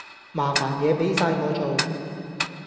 麻煩野俾哂我做